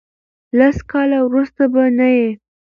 لس کاله ورسته به نه یی.